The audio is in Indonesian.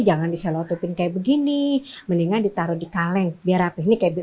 jangan di selotoping kayak begini mendingan ditaruh di kaleng dia rapik ini kebendam nah